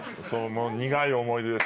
苦い思い出です。